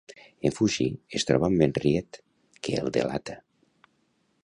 En fugir, es troba amb Henriette, que el delata.